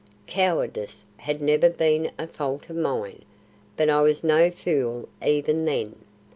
Cowardice had never been a fault of mine. But I was no fool even then.